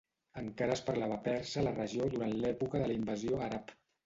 Encara es parlava persa a la regió durant l'època de la invasió àrab.